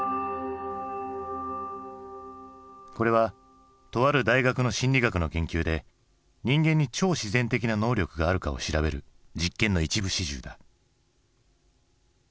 これはとある大学の心理学の研究で人間に超自然的な能力があるかを調べる実験の一部始終だ。